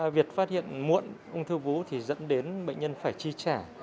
việc phát hiện muộn ung thư vú thì dẫn đến bệnh nhân phải chi trả